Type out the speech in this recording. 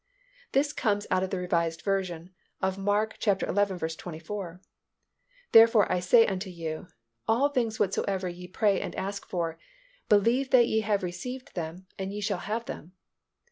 This comes out in the Revised Version of Mark xi. 24, "Therefore I say unto you, All things whatsoever ye pray and ask for, believe that ye have received them and ye shall have them."